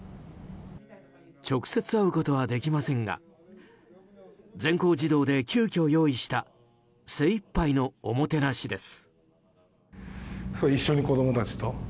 直接会うことはできませんが全校児童で急きょ用意した精いっぱいのおもてなしです。